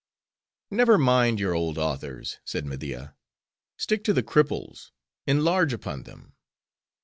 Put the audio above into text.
"Never mind your old authors," said Media. "Stick to the cripples; enlarge upon them."